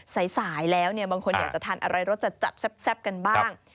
สายแล้วเนี่ยบางคนอยากจะทานอะไรรสจัดแซ่บกันบ้าง